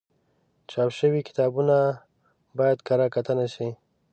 چاپ شوي کتابونه باید کره کتنه شي.